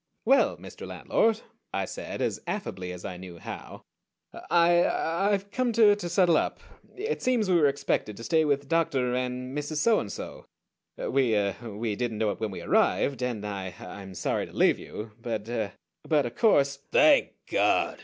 "Well, Mr. Landlord," I said, as affably as I knew how, "I I've come to to settle up. It seems we were expected to stay with Dr. and Mrs. Soandso. We er we didn't know it when we arrived and I I'm sorry to leave you; but er but of course " "_Thank God!